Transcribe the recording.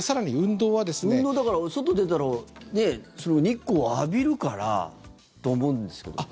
運動、だから外出たら、日光を浴びるからと思うんですけど。